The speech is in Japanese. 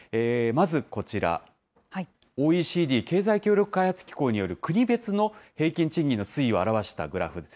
まずこちら、ＯＥＣＤ・経済協力開発機構による国別の平均賃金の推移を表したグラフ。